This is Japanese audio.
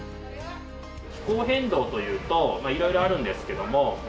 気候変動問題というといろいろあるんですけれども。